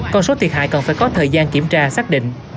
con số thiệt hại cần phải có thời gian kiểm tra xác định